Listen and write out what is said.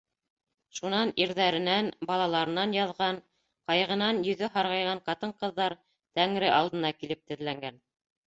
Шунан ирҙәренән, балаларынан яҙған, ҡайғынан йөҙө һарғайған ҡатын-ҡыҙҙар Тәңре алдына килеп теҙләнгән: